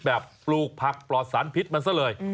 ปลูกผักปลอดสารพิษมันซะเลย